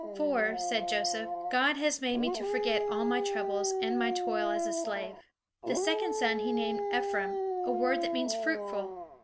"For," said Joseph, "God has made me to forget all my troubles and my toil as a slave." The second son he named Ephraim, a word that means "Fruitful."